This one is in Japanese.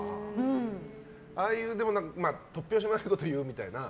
ああいう突拍子もないこと言うみたいな。